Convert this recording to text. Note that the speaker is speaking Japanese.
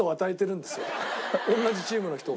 同じチームの人が。